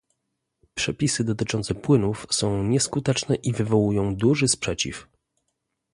Przepisy dotyczące płynów są nieskuteczne i wywołują duży sprzeciw